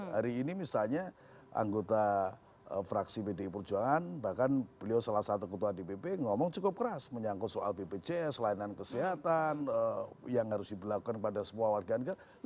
hari ini misalnya anggota fraksi pdi perjuangan bahkan beliau salah satu ketua dpp ngomong cukup keras menyangkut soal bpjs layanan kesehatan yang harus diberlakukan kepada semua warga negara